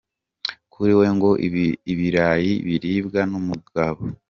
Kuri we ngo ibirayi biribwa n’umugabo.